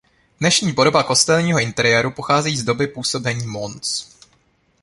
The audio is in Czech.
Dnešní podoba kostelního interiéru pochází z doby působení Mons.